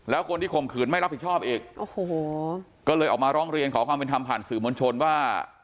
แล้วคนที่ข่มขืนไม่รับผิดชอบอีกโอ้โหก็เลยออกมาร้องเรียนขอความเป็นธรรมผ่านสื่อมวลชนว่า